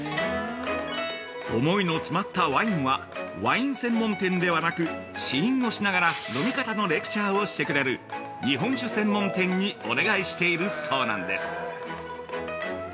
◆思いの詰まったワインはワイン専門店ではなく試飲をしながら飲み方のレクチャーをしてくれる日本酒専門店にお願いしているそうなんです。